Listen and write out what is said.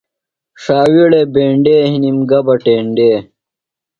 شاویڑے بینڈے، ہِنم گہ بہ ٹینڈے